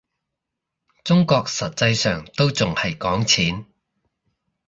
中國實際上都仲係講錢